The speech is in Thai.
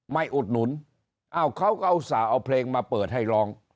อุดหนุนอ้าวเขาก็อุตส่าห์เอาเพลงมาเปิดให้ร้อง